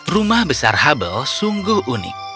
rumah besar hubble sungguh unik